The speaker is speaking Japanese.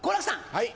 はい。